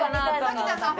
滝田さん